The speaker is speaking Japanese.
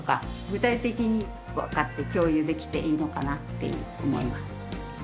具体的にわかって共有できていいのかなって思います。